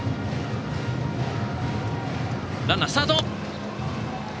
ランナー、スタート！